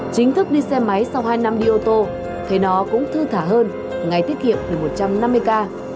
chính thức đi xe máy sau hai năm đi ô tô thấy nó cũng thư thả hơn ngày tiết kiệm được một trăm năm mươi ca